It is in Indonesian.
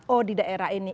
oh di daerah ini